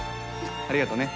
ありがとね。